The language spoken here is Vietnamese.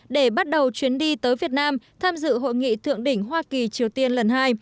để bắt đầu chuyến đi tới việt nam tham dự hội nghị thượng đỉnh hoa kỳ triều tiên lần hai